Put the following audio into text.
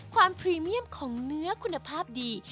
พรีเมียมของเนื้อคุณภาพดี